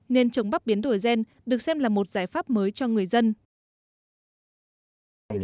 nên trồng bắp biến đổi gen được xem là một giải pháp mới cho người dân